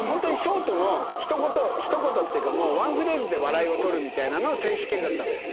ショートのひと言っていうかワンフレーズで笑いを取るみたいなのの選手権だったの。